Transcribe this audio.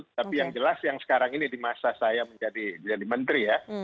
tapi yang jelas yang sekarang ini di masa saya menjadi menteri ya